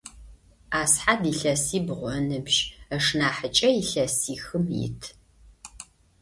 Асхьад илъэсибгъу ыныбжь, ышнахьыкӏэ илъэсихым ит.